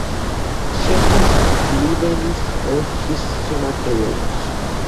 შედის სლივენის ოლქის შემადგენლობაში.